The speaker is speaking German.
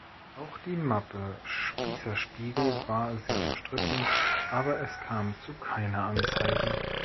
Auch die Mappe "Spießer-Spiegel" war sehr umstritten, aber es kam zu keiner Anzeige.